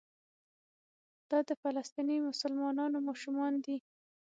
دا د فلسطیني مسلمانانو ماشومان دي.